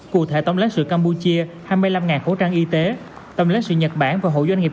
cụ thể tổng lãnh sự campuchia hai mươi năm khẩu trang y tế tổng lãnh sự nhật bản và hộ doanh nghiệp